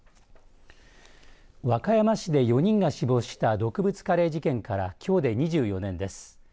和歌山市で４人が死亡した毒物カレー事件からきょうで２４年です。